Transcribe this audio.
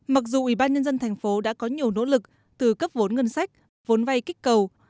mặc dù ủy ban nhân dân thành phố đã có nhiều nỗ lực từ cấp vốn ngân sách vốn vay kích cầu